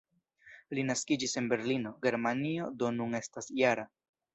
Li naskiĝis en Berlino, Germanio, do nun estas -jara.